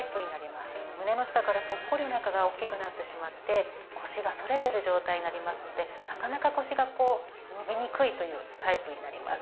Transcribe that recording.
胸の下からポッコリお腹が大きくなってしまって腰が反れてる状態になりますのでなかなか腰が伸びにくいというタイプになります。